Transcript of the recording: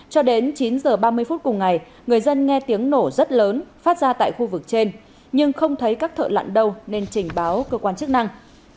cho đến chín h ba mươi phút cùng ngày người dân nghe tiếng nổ rất lớn phát ra tại khu vực trên nhưng không thấy các thợ lặn đâu nên trình báo cơ quan chức năng